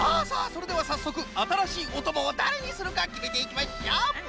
それではさっそくあたらしいおともをだれにするかきめていきましょう！